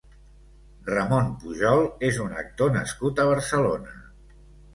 Ramon Pujol és un actor nascut a Barcelona.